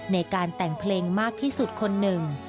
ในการแต่งเพลงมากที่สุดคนหนึ่ง